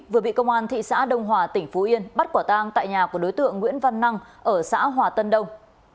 vừa bị công an thị xã đông hòa tỉnh phú yên bắt quả tang tại nhà của đối tượng nguyễn văn năng ở xã hòa tân đông